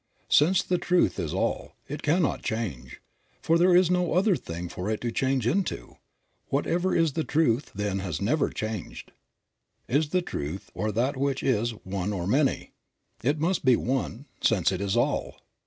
Since the Truth is all, it cannot change, for there is no other thing for it to change into ; whatever is the Truth, then, has never changed. Is the Truth, or that which is, one or many? It must be one, since it is all.